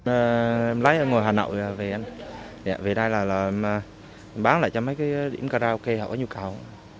em lái ở ngôi hà nội về đây là em bán lại cho mấy cái điểm karaoke họ có nhu cầu